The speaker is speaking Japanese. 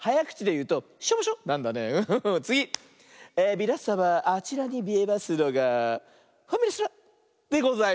みなさまあちらにみえますのが「ファミレスラ」でございます。